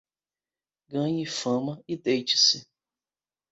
Ganhe fama e deite-se.